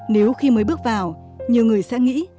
nếu khi mới bước vào nhiều người sẽ nghĩ